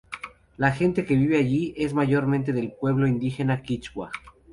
La gente que vive allí es mayormente del pueblo indígena kichwa.